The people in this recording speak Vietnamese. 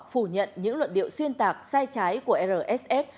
bác bỏ phủ nhận những luận điệu xuyên tạc sai trái của rsf